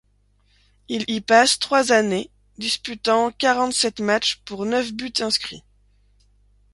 Il y passe trois années, disputant quarante-sept matchs pour neuf buts inscrits.